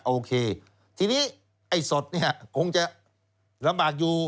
โอเคทีนี้ไอ้สดเนี่ยคงจะลำบากอยู่